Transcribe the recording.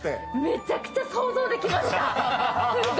めちゃくちゃ想像できました。